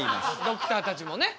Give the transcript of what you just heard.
ドクターたちもね